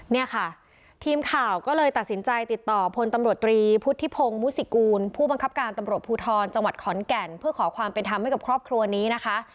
นี่ค่ะทีมข่าวก็เลยตัดสินใจติดต่อมาพนธรรมติพุทธิพงมภกูลผู้บังคับการสภูทรจังหวัดขอนแก่นเพื่อขอความเป็นทำให้กับครอบครัวนี้นะคะ